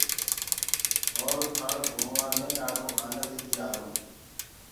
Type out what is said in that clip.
اور ٿݪ گھموا مي ڏآڍو آنند بيٚ آرو۔